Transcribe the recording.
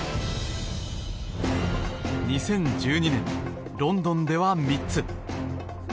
２０１２年、ロンドンでは３つ。